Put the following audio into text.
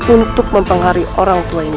untuk mempengaruhi orang tua ini